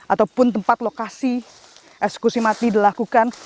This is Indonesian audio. ataupun tempat lokasi eksekusi mati dilakukan